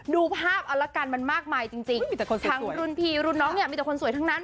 ดูภาพเอาละกันมันมากมายจริงทั้งรุ่นพี่รุ่นน้องเนี่ยมีแต่คนสวยทั้งนั้น